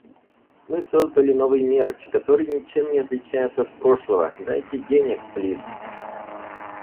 Мы создали новый мерч, который ничем не отличается от прошлого. Дайте денег, плиз!